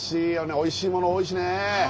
おいしいもの多いしね。